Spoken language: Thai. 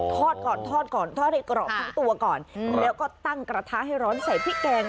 ทอดก่อนทอดก่อนทอดให้กรอบทั้งตัวก่อนแล้วก็ตั้งกระทะให้ร้อนใส่พริกแกง